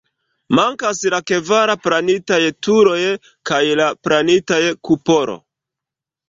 Mankas la kvar planitaj turoj kaj la planita kupolo.